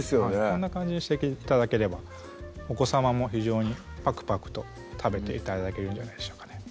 こんな感じにして頂ければお子さまも非常にパクパクと食べて頂けるんじゃないでしょうかね